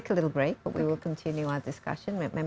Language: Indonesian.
kita akan berbicara sedikit